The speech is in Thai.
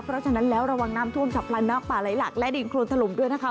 เพราะฉะนั้นแล้วระวังน้ำท่วมฉับพลันน้ำป่าไหลหลักและดินโครนถล่มด้วยนะคะ